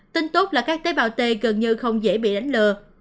tin tốt là các tế bào t gần như không dễ bị đánh lừa